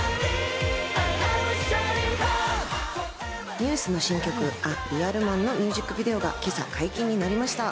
ＮＥＷＳの新曲『ＡＲｅａｌＭａｎ』のミュージックビデオが今朝、解禁になりました。